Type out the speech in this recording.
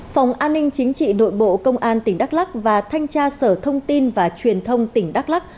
phòng an ninh chính trị nội bộ công an tỉnh đắk lắc và thanh tra sở thông tin và truyền thông tỉnh đắk lắc